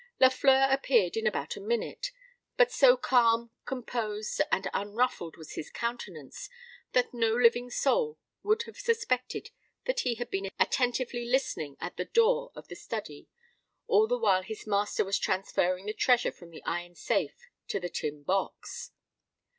Lafleur appeared in about a minute; but so calm, composed, and unruffled was his countenance, that no living soul would have suspected that he had been attentively listening at the door of the study all the while his master was transferring the treasure from the iron safe to the tin box.